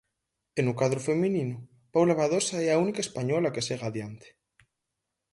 E no cadro feminino, Paula Badosa é a única española que segue adiante.